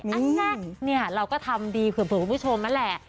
นั่นไงเนี่ยเราก็ทำดีเผื่อคุณผู้ชมนั่นแหละ